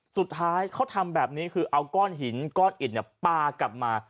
สุดท้ายเขาทำแบบนี้คือเอาก้อนหินก้อนอิดปลากลับมา